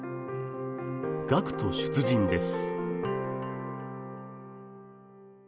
学徒出陣です